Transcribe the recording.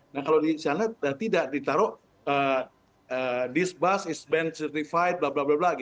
nah kalau di sana tidak ditaruh this bus is banned certified blablabla